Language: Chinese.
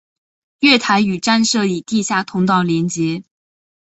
月台与站舍以地下通道连结。